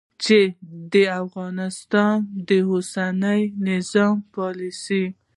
چې د افغانستان د اوسني نظام پالیسي